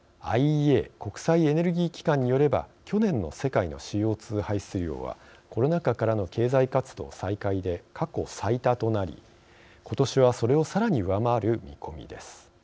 ＩＥＡ＝国際エネルギー機関によれば去年の世界のＣＯ２排出量はコロナ禍からの経済活動再開で過去最多となり今年はそれを、さらに上回る見込みです。